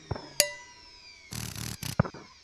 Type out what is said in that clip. সত্য গোপন করা বিরাট অন্যায়।